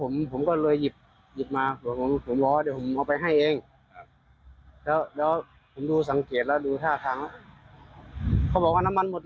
น้ำมันมันไปหมดหลายบ้านนะ